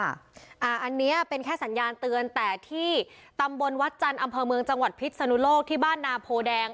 อันนี้เป็นแค่สัญญาณเตือนแต่ที่ตำบลวัดจันทร์อำเภอเมืองจังหวัดพิษนุโลกที่บ้านนาโพแดง